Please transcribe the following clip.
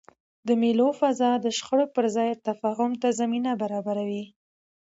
د مېلو فضا د شخړو پر ځای تفاهم ته زمینه برابروي.